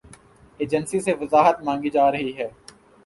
Agency سے وضاحت مانگی جا رہی ہے۔